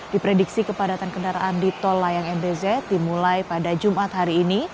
diprediksi kepadatan kendaraan di tol layang mbz dimulai pada jumat hari ini